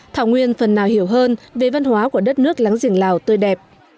thảo nguyên phần nào hiểu hơn về văn hóa của đất nước láng giềng lào tươi đẹp